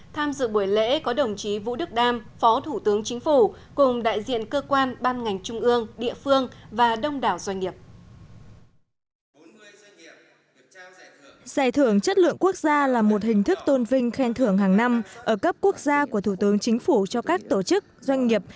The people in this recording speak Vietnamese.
tham dự buổi lễ có đồng chí vũ đức đam phó thủ tướng chính phủ cùng đại diện cơ quan ban ngành trung ương địa phương và đông đảo doanh nghiệp